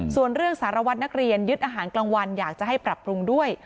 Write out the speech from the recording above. ส่วนเรื่องสารวัตรนักเรียนยึดอาหารกลางวันอยากจะให้ปรับปรุงด้วย